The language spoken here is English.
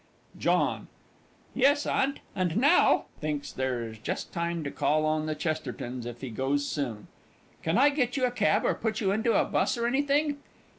JOHN. Yes, Aunt. And now (thinks there is just time to call on the Chestertons, if he goes soon) can I get you a cab, or put you into a 'bus or anything?